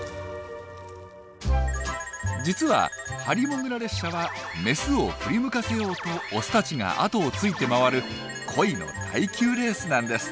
実はハリモグラ列車はメスを振り向かせようとオスたちが後をついて回る恋の耐久レースなんです。